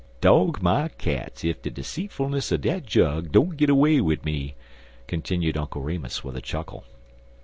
Dog my cats ef de seetfulness er dat jug don't git away wid me," continued Uncle Remus, with a chuckle.